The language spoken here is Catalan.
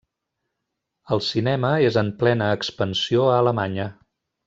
El cinema és en plena expansió a Alemanya.